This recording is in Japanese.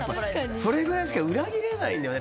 それぐらいしか裏切れなんだよね。